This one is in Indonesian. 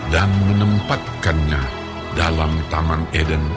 dan menempatkannya dalam taman eden